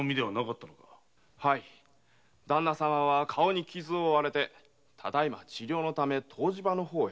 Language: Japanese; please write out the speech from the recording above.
旦那様は顔に傷を負われて治療のため湯治場へ。